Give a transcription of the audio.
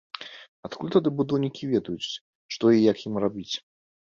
Адкуль тады будаўнікі ведаюць, што і як ім рабіць?